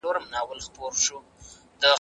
هغه د پښتنو په منځ کې د لوړ مقام لرونکی و.